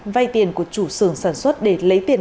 vay tiền của chủ sưởng sản xuất để lấy tiền